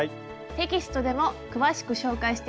テキストでも詳しく紹介しています。